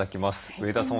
上田さん